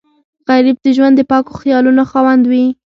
غریب د ژوند د پاکو خیالونو خاوند وي